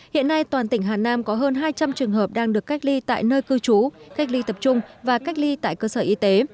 hiện nay toàn tỉnh hà nam có hơn hai trăm linh trường hợp đang được cách ly tại nơi cư trú cách ly tập trung và cách ly tại cơ sở y tế